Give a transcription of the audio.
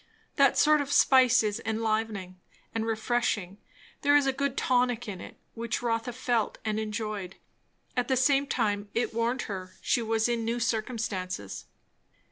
That sort of spice is enlivening and refreshing; there is a good tonic in it, which Rotha felt and enjoyed; at the same time it warned her she was in new circumstances.